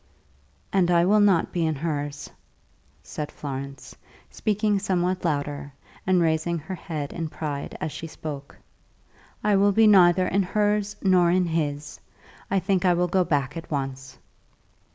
"And I will not be in hers," said Florence, speaking somewhat louder, and raising her head in pride as she spoke. "I will be neither in hers nor in his. I think I will go back at once."